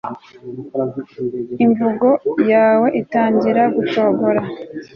imvugo yawe itangira gucogora